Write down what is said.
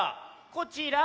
こちら！